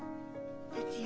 達也。